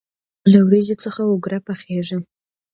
له وریجو څخه اوگره پخیږي.